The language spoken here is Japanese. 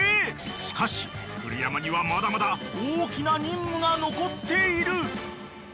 ［しかし古山にはまだまだ大きな任務が残っている］